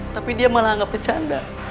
tapi dia malah anggapnya canda